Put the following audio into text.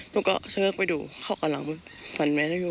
นุ๊กก็เชิงไปดูเขากำลังฝันแม่นุ๊กอยู่